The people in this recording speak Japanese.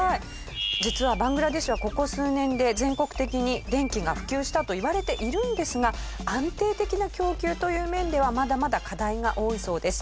実はバングラデシュはここ数年で全国的に電気が普及したといわれているんですが安定的な供給という面ではまだまだ課題が多いそうです。